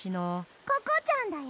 ココちゃんだよ！